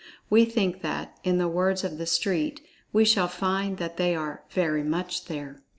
We think that, in the words of the street, we shall find that they are "very much there."